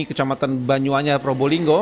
kecamatan banyuanya probolinggo